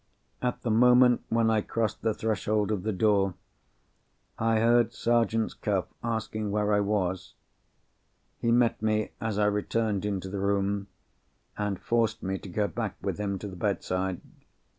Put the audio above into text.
At the moment when I crossed the threshold of the door, I heard Sergeant Cuff's voice, asking where I was. He met me, as I returned into the room, and forced me to go back with him to the bedside.